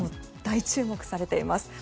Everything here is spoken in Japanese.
大注目されています。